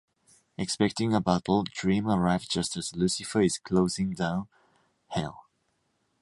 Expecting a battle, Dream arrives just as Lucifer is closing down Hell.